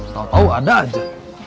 tau tau ada aja